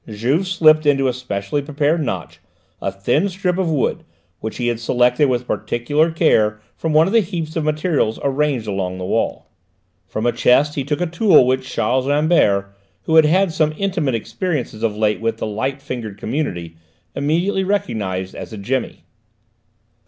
Juve slipped into a specially prepared notch a thin strip of wood, which he had selected with particular care from one of the heaps of material arranged along the wall. From a chest he took a tool which Charles Rambert, who had had some intimate experience of late with the light fingered community, immediately recognised as a jemmy.